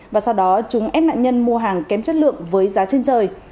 và sau đó chúng ép nạn nhân mua hàng kém chất lượng với giá trên trời